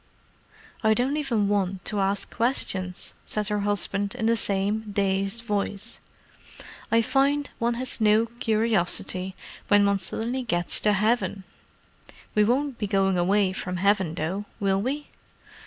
"I don't even want to ask questions," said her husband, in the same dazed voice. "I find one has no curiosity, when one suddenly gets to heaven. We won't be going away from heaven, though, will we?"